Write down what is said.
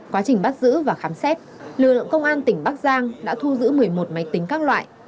quá trình bắt giữ và khám xét lực lượng công an tỉnh bắc giang đã thu giữ một mươi một máy tính các loại